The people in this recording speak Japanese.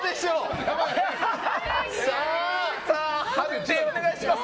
判定、お願いします！